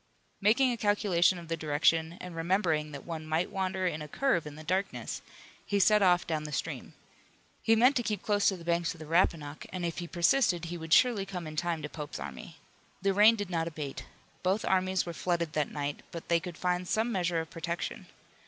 Making a calculation of the direction and remembering that one might wander in a curve in the darkness, he set off down the stream. He meant to keep close to the banks of the Rappahannock, and if he persisted he would surely come in time to Pope's army. The rain did not abate. Both armies were flooded that night, but they could find some measure of protection.